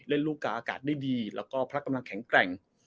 เล่นรูปการณ์อากาศได้ดีแล้วก็พลักกำลังแข็งแกร่ง